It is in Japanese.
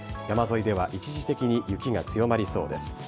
山沿いでは一時的に雪が強まりそうです。